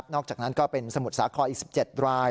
อกจากนั้นก็เป็นสมุทรสาครอีก๑๗ราย